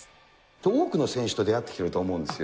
多くの選手と出会ってきてると思うんですよ。